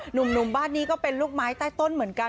หนุ่มบ้านนี้ก็เป็นลูกไม้ใต้ต้นเหมือนกัน